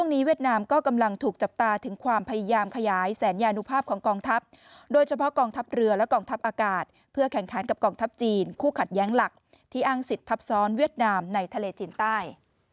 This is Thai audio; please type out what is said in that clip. ที่อังสิทธิ์ทัพซ้อนเวียดนามในทะเลจีนใต้